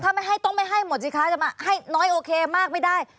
ถ้าไม่ให้ต้องไม่ให้หมดสิคะจะมาให้น้อยโอเคมากไม่ได้